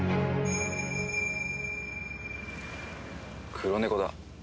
黒猫だ。